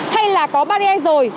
hay là có bariê rồi